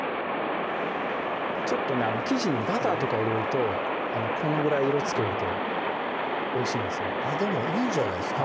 ちょっとね生地にバターとかを入れるとこのぐらい色つけるとおいしいんですよねでもいいんじゃないんすか？